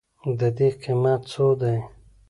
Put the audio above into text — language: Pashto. د دې قیمت څو دی؟